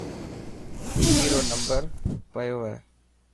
وڪي رو نمبر پيو هي.